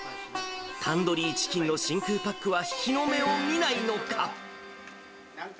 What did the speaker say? タンドリーチキンの真空パックは日の目を見ないのか。